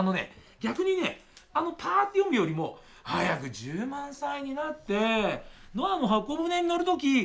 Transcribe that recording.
逆にねパーッて読むよりも「早く１０万歳になってノアの箱舟に乗るときどや